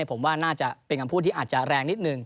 ผมว่าน่าจะเป็นคำพูดที่อาจจะแรงนิดนึง